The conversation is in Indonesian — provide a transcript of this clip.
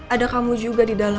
ada kamu juga di dalam